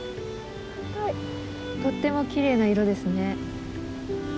とってもきれいな色ですね。